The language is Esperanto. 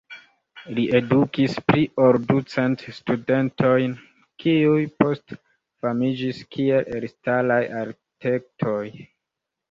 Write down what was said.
Li edukis pli ol du cent studentojn, kiuj poste famiĝis kiel elstaraj arkitektoj.